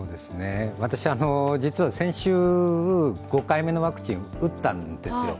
私、実は先週、５回目のワクチン打ったんですよ。